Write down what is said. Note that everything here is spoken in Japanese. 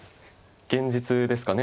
現実ですかね